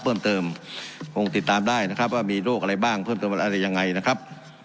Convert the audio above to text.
เพิ่มเติมคงติดตามได้นะครับว่ามีโรคอะไรบ้างเพิ่มเติมอะไรยังไงนะครับ